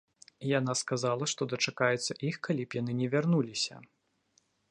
Яна сказала, што дачакаецца іх, калі б яны ні вярнуліся.